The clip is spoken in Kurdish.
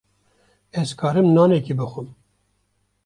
Ez karim nanekî bixwim.